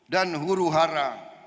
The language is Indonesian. dan huru hara